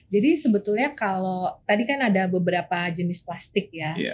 jadi sebetulnya kalau tadi kan ada beberapa jenis plastik ya